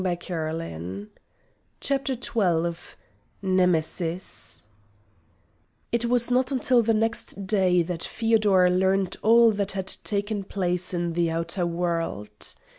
CHAPTER XII Nemesis It was not until the next day that Feodor learned all that had taken place in the outer world.